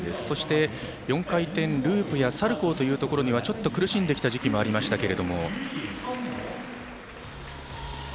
そして４回転ループやサルコーというところはちょっと苦しんできた時期もありました。